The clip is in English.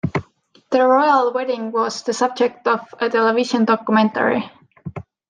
The royal wedding was the subject of a television documentary.